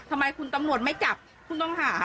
ทำไมคุณตำรวจไม่จับผู้ต้องหา